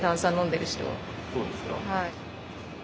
はい。